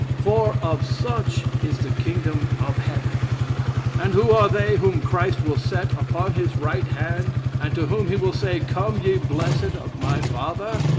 'For of such is the kingdom of Heaven.' And who are they whom Christ will set upon his right hand, and to whom he will say, 'Come ye blessed of my father!'